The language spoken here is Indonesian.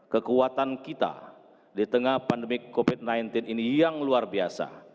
dan saya harapkan kita di tengah pandemi covid sembilan belas ini yang luar biasa